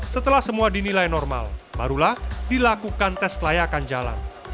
setelah semua dinilai normal barulah dilakukan tes kelayakan jalan